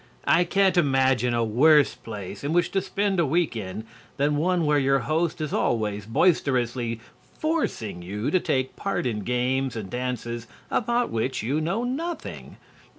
I can't imagine a worse place in which to spend a week end than one where your host is always boisterously forcing you to take part in games and dances about which you know nothing.